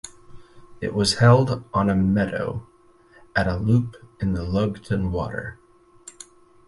It was held on a meadow at a loop in the Lugton Water.